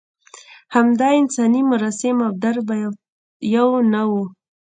همدا انساني مراسم او درد به یو نه و.